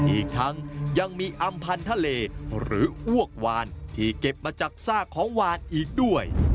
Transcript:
อีกทั้งยังมีอำพันธเลหรืออ้วกวานที่เก็บมาจากซากของวานอีกด้วย